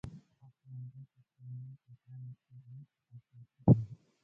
په کولمبیا کې کورنۍ جګړه له سیریلیون څخه توپیر لري.